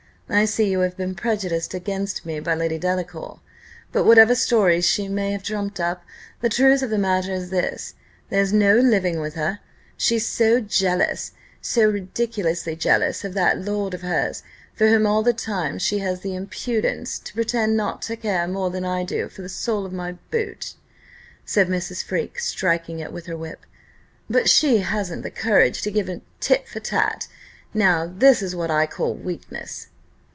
I see you have been prejudiced against me by Lady Delacour; but whatever stories she may have trumped up, the truth of the matter is this, there's no living with her, she's so jealous so ridiculously jealous of that lord of hers, for whom all the time she has the impudence to pretend not to care more than I do for the sole of my boot," said Mrs. Freke, striking it, with her whip; "but she hasn't the courage to give him tit for tat: now this is what I call weakness.